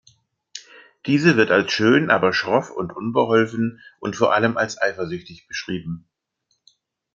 Diese wird als schön, aber schroff und unbeholfen und vor allem als eifersüchtig beschrieben.